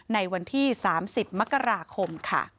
ในวันที่๓๐มกราคมค่ะ